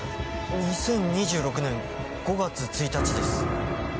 ２０２６年５月１日です。